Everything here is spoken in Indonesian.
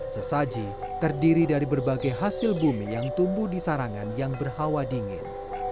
sesaji terdiri dari berbagai hasil bumi yang tumbuh di sarangan yang berhawa dingin